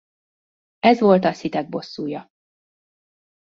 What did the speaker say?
Ez volt a Sith-ek bosszúja.